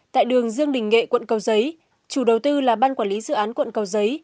tại đường dương đình nghệ quận cầu giấy chủ đầu tư là ban quản lý dự án quận cầu giấy